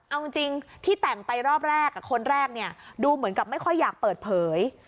เอาจริงที่แต่งไปรอบแรกคนแรกเนี่ยดูเหมือนกับไม่ค่อยอยากเปิดเผย